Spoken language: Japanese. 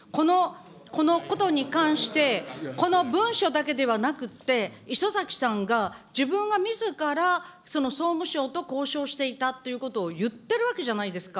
このことに関して、この文書だけではなくて、礒崎さんが、自分がみずから総務省と交渉していたということを言ってるわけじゃないですか。